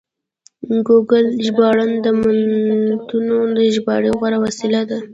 ګوګل ژباړن د متنونو د ژباړې غوره وسیله ده.